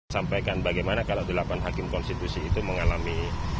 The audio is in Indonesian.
sampaikan bagaimana kalau delapan hakim konstitusi itu mengalami